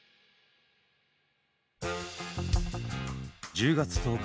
１０月１０日